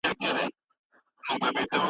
زه هر وخت د خپل پلار خبره منم.